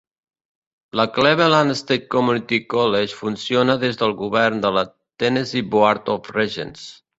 La Cleveland State Community College funciona dins del govern de la Tennessee Board of Regents.